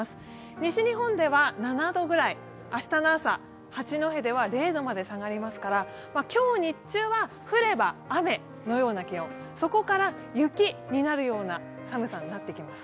西日本では７度ぐらい、明日の朝、八戸では０度まで下がりますから、今日、日中は降れば雨のような気温そこから雪になるような寒さになっていきます。